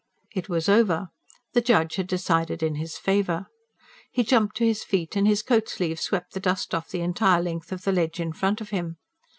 It was over; the judge had decided in his favour. He jumped to his feet, and his coat sleeve swept the dust off the entire length of the ledge in front of him.